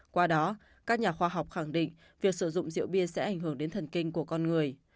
qua đó các nhà khoa học khẳng định việc sử dụng rượu bia sẽ ảnh hưởng đến thần kinh của con người